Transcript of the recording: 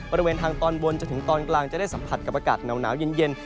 บริเวณทางตอนบนจนถึงตอนกลางจะได้สัมผัสกับอากาศหนาวเย็น